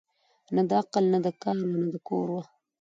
نه د عقل نه د کار وه نه د کور وه